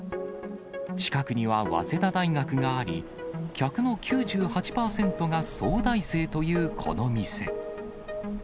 近くには早稲田大学があり、客の９８％が早大生というこの店。